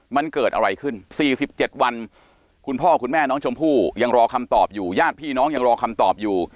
มันเกิดอะไรขึ้น๔๗วันคุณพ่อคุณแม่น้องชมพู่ยังรอคำตอบอยู่ญาติพี่น้องยังรอคำตอบอยู่